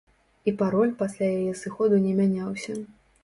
І пароль пасля яе сыходу не мяняўся.